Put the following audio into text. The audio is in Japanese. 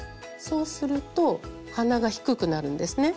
そうすると鼻が低くなるんですね。